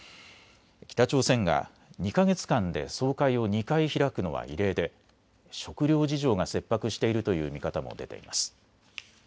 北朝鮮が２か月間で総会を２回開くのは異例で食料事情が切迫しているという見方も出ています。